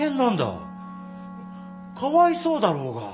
かわいそうだろうが。